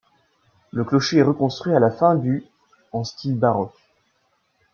Le clocher est reconstruit à la fin du en style baroque.